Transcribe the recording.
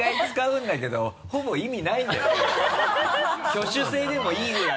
挙手制でもいいぐらいの。